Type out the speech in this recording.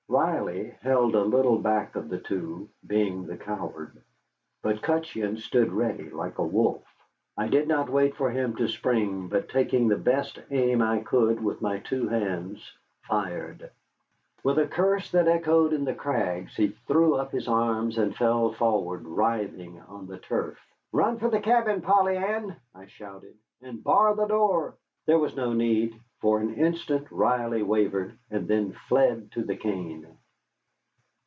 Riley held a little back of the two, being the coward. But Cutcheon stood ready, like a wolf. I did not wait for him to spring, but, taking the best aim I could with my two hands, fired. With a curse that echoed in the crags, he threw up his arms and fell forward, writhing, on the turf. "Run for the cabin, Polly Ann," I shouted, "and bar the door." There was no need. For an instant Riley wavered, and then fled to the cane.